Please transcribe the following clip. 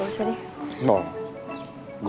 gue tau nih kenapa